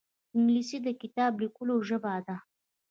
انګلیسي د کتاب لیکلو ژبه ده